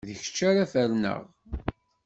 D kečč ara ferneɣ!